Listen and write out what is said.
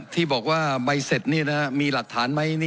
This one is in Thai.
ที่บอกว่าใบเสร็จนี่มีหลักฐานไหม